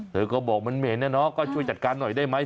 เธอก็บอกมันเหม็นนะเนาะก็ช่วยจัดการหน่อยได้ไหม